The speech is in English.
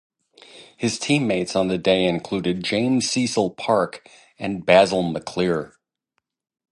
His teammates on the day included James Cecil Parke and Basil Maclear.